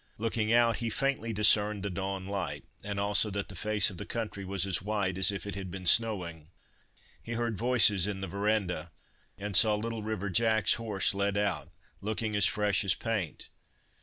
Looking out, he faintly discerned the dawn light, and also that the face of the country was as white as if it had been snowing. He heard voices in the verandah, and saw Little River Jack's horse led out, looking as fresh as paint.